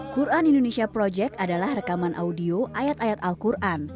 quran indonesia project adalah rekaman audio ayat ayat al quran